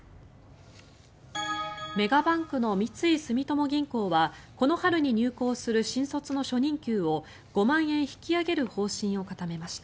メガバンクの三井住友銀行はこの春に入行する新卒の初任給を５万円引き上げる方針を固めました。